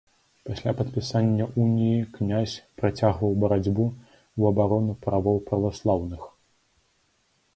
Пасля падпісання уніі князь працягваў барацьбу ў абарону правоў праваслаўных.